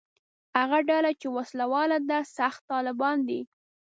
هغه ډله چې وسله واله ده «سخت طالبان» دي.